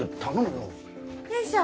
よいしょ。